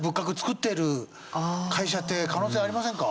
って可能性ありませんか？